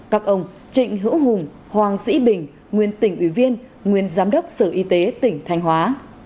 các ông trịnh hữu hùng hoàng sĩ bình nguyên tỉnh ủy viên nguyên giám đốc sở y tế tỉnh thanh hóa